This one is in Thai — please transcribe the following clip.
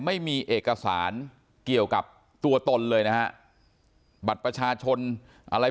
ไม่มีเอกสารเกี่ยวกับตัวตนเลยนะฮะบัตรประชาชนอะไร